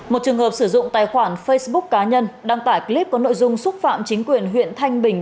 một trường hợp sử dụng tài khoản facebook cá nhân đăng tải clip có nội dung xúc phạm chính quyền huyện thanh bình